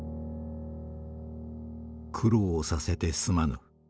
「苦労させてすまぬ。